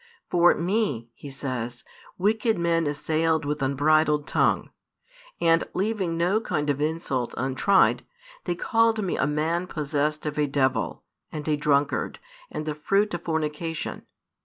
For Me, He says, wicked men assailed with unbridled tongue; and, leaving no kind of insult untried, they called Me a man possessed of a devil, and a drunkard, and the fruit of fornication.